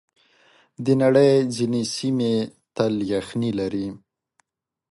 د نړۍ ځینې سیمې تل یخنۍ لري.